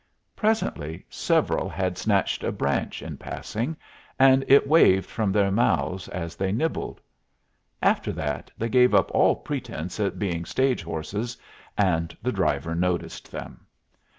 Presently several had snatched a branch in passing, and it waved from their mouths as they nibbled. After that they gave up all pretence at being stage horses, and the driver noticed them.